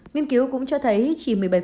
nghiên cứu cũng cho thấy chỉ một mươi bảy